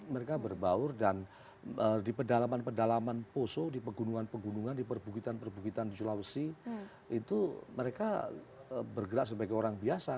mereka berbaur dan di pedalaman pedalaman poso di pegunungan pegunungan di perbukitan perbukitan di sulawesi itu mereka bergerak sebagai orang biasa